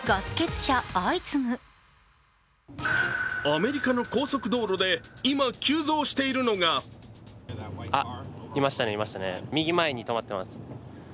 アメリカの高速道路で今、急増しているのがいましたね、いましたね、右前に止まっています。